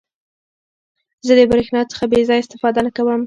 زه د برېښنا څخه بې ځایه استفاده نه کوم.